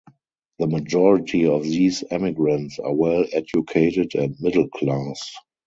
The majority of these emigrants are well-educated and middle-class.